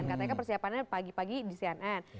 katanya kan persiapannya pagi pagi di cnn